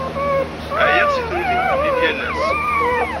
Ɛyiɣ seg trutint-nni n yal ass.